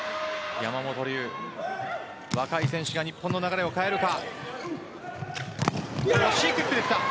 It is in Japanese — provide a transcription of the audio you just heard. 若い選手が日本の流れを変えるか。